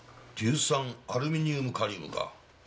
硫酸アルミニウムカリウムか。